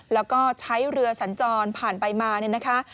แล้วก็ใช้เรือสัญจรผ่านไปมาเนี่ยนะคะ